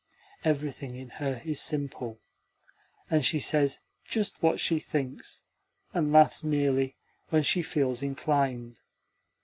Everything in her is simple, and she says just what she thinks, and laughs merely when she feels inclined.